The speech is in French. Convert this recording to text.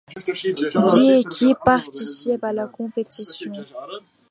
Dix équipes participent à la compétition.